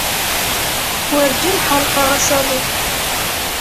Werǧin ḥerqeɣ asaḍuf.